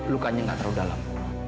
lukanya gak terlalu dalam